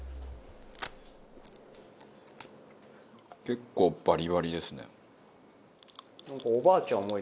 結構バリバリですね。